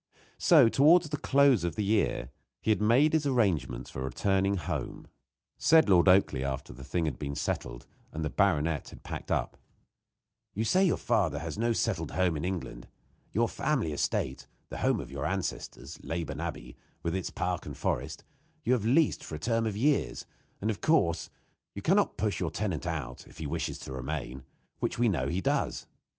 So, towards the close of the year, he had made his arrangements for returning home. Said Lord Oakleigh, after the thing had been settled, and the baronet had packed up: "You say you have no settled home in England. Your family estate the home of your ancestors Leyburn Abbey, with its park and forest, you have leased for a term of years; and, of course, you can not push your tenant out, if he wishes to remain, which we know he does.